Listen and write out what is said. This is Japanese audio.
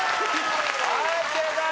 はい正解！